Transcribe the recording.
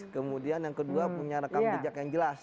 kemudian yang kedua punya rekam jejak yang jelas